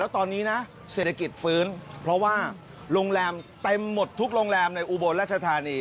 ตอนนี้นะเศรษฐกิจฟื้นเพราะว่าโรงแรมเต็มหมดทุกโรงแรมในอุบลรัชธานี